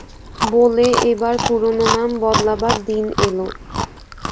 বলে, এবার পুরোনো নাম বদলাবার দিন এল।